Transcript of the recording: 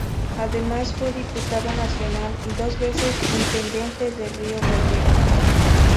Además fue diputado nacional y dos veces Intendente de Río Gallegos.